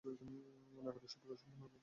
নাগরিক সভ্যতা সম্পূর্ণভাবে বিজ্ঞানের অবদান।